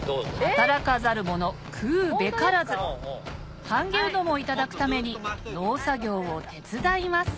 働かざる者食うべからず半夏うどんをいただくために農作業を手伝います